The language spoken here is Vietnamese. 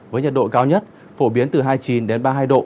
với nhiệt độ cao nhất phổ biến từ hai mươi chín đến ba mươi hai độ